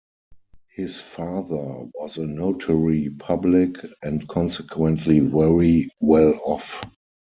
His father was a notary public, and consequently very well off.